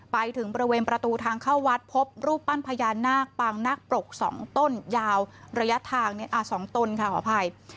ไปถึงบริเวณประตูทางเข้าวัดพบรูปปั้นพญานาคปางนาคปรก๒ต้นยาวระยะทาง๒ต้นค่ะขออภัย